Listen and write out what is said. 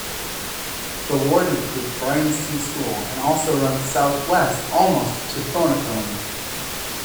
The ward includes Bryanston School and also runs south west almost to Thornicombe.